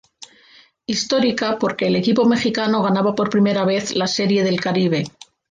Histórica porque el equipo mexicano ganaba por primera vez la Serie del Caribe.